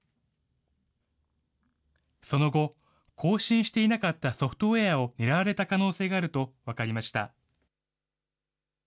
その後、更新していなかったソフトウエアを狙われた可能性があると分かりました。